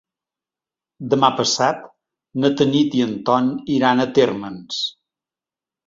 Demà passat na Tanit i en Ton iran a Térmens.